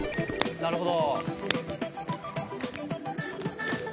なるほど！